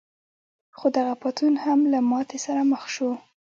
خو دغه پاڅون هم له ماتې سره مخ شو.